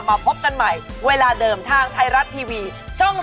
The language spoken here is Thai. มาพบกันใหม่เวลาเดิมทางไทยรัฐทีวีช่อง๓